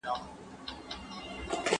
زه پاکوالي نه ساتم؟